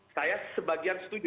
saya sebagian setuju